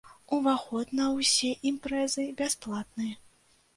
Уваход на ўсе імпрэзы бясплатны.